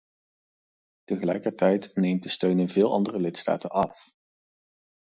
Tegelijkertijd neemt de steun in veel andere lidstaten af.